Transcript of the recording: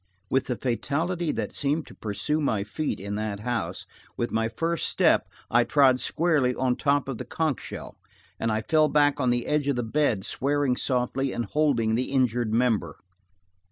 With the fatality that seemed to pursue my feet in that house, with my first step I trod squarely on top of the conch shell, and I fell back on the edge of the bed swearing softly and holding the injured member.